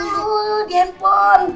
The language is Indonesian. lihat dulu di handphone